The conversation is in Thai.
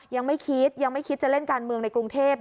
ยังไม่คิดยังไม่คิดจะเล่นการเมืองในกรุงเทพ